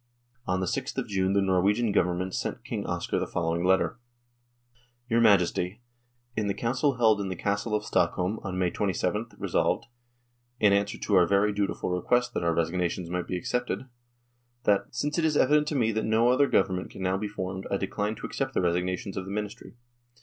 On the 6th of June the Norwegian Government sent King Oscar the following letter :" Your Majesty, in the council held in the Castle of Stockholm on May 2/th resolved, in answer to our very dutiful request that our resignations might be accepted, that :' Since it is evident to me that no other Government can now be formed, I decline to accept the resignations of the Ministry.'